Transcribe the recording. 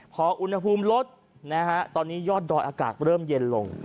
พออุณหภูมิลดนะฮะตอนนี้ยอดดอยอากาศเริ่มเย็นลง